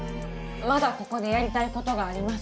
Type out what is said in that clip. まだここでやりたいことがあります。